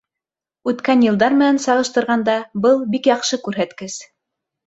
Үткән йылдар менән сағыштырғанда, был — бик яҡшы күрһәткес.